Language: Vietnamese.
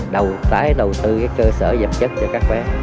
đầu tái đầu tư cái cơ sở dập chất cho các bé